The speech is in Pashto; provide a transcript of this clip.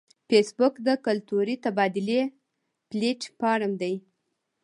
فېسبوک د کلتوري تبادلې پلیټ فارم دی